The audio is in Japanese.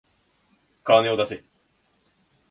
金を出せ。